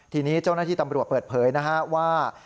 ทีนี้เจ้าหน้าที่ตำรวจเปิดเผยนะฮะว่า